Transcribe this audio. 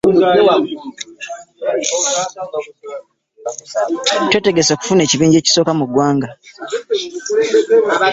Twetegese okufuna ekibinja ekisooka mu ggwanga